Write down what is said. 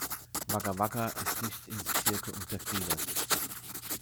Wagga Wagga ist nicht in Bezirke untergliedert.